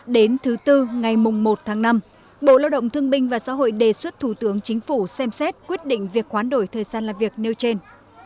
đến thứ tư ngày mùng một tháng năm bộ lao động thương binh và xã hội đề xuất thủ tướng chính phủ xem xét quyết định việc hoán đổi thời gian làm việc nêu trên